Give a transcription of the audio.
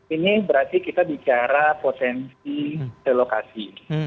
ini berarti kita bicara potensi relokasi